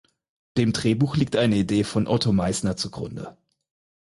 Dem Drehbuch liegt eine Idee von Otto Meissner zugrunde.